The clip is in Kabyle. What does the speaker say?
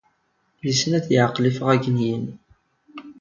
Yessen amek ara yeɛqel ifɣagniyen.